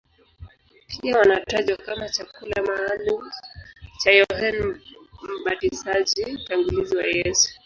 Pia wanatajwa kama chakula maalumu cha Yohane Mbatizaji, mtangulizi wa Yesu.